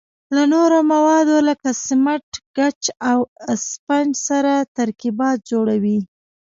له نورو موادو لکه سمنټ، ګچ او اسفنج سره ترکیبات جوړوي.